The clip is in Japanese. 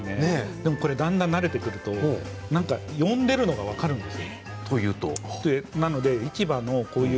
でもだんだん慣れてくると呼んでいるのが分かるんです。